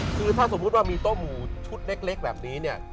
คือถ้าสมมุติว่ามีโต๊หมูชุดเล็กแบบนี้เนี่ย